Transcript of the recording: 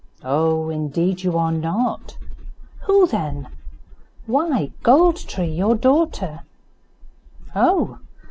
"Oh! indeed you are not." "Who then?" "Why, Gold tree, your daughter." "Oh!